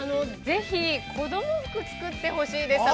◆ぜひ子供服、作ってほしいです。